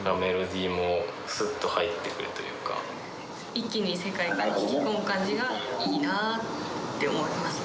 一気に世界観に引き込む感じがいいなって思いますね。